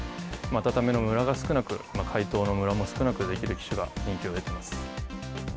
温めのむらが少なく、解凍のむらも少なくできる機種が人気を得てます。